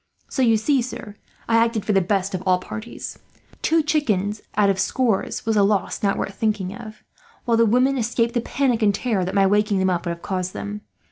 "So you see, sir, I acted for the best for all parties. Two chickens out of scores was a loss not worth thinking of, while the women escaped the panic and terror that my waking them up would have caused them.